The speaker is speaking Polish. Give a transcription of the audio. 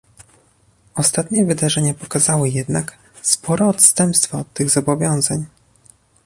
Ostatnie wydarzenia pokazały jednak spore odstępstwa od tych zobowiązań